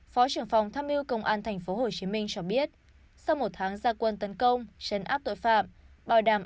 phó trưởng phòng tham mưu công an tp hcm cho biết sau một tháng gia quân tấn công trấn áp tội phạm